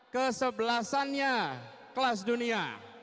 kesebelasannya kelas dunia